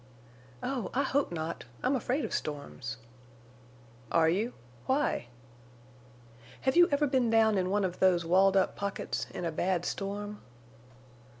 "Oh, I hope not. I'm afraid of storms." "Are you? Why?" "Have you ever been down in one of these walled up pockets in a bad storm?"